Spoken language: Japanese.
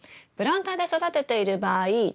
プランターで育てている場合